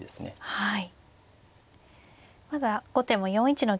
はい。